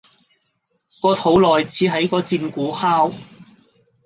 個肚內似係個戰鼓敲